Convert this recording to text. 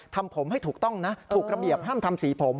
ทำผมให้ถูกต้องนะถูกระเบียบห้ามทำสีผม